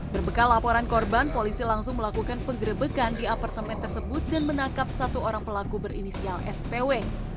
berbekal laporan korban polisi langsung melakukan penggerebekan di apartemen tersebut dan menangkap satu orang pelaku berinisial spw